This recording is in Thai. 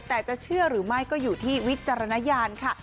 แต่จะเชื่อหรือไม่ก็อยู่ที่วิจารณญาณค่ะ